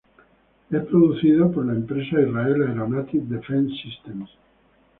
Es producido por la empresa Israeli Aeronautics Defense Systems.